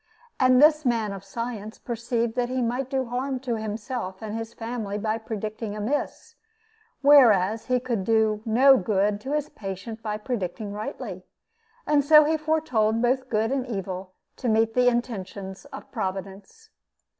And this man of science perceived that he might do harm to himself and his family by predicting amiss, whereas he could do no good to his patient by predicting rightly. And so he foretold both good and evil, to meet the intentions of Providence.